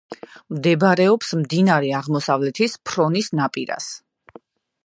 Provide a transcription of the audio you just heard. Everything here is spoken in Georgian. მდებარეობს მდინარე აღმოსავლეთის ფრონის ნაპირას.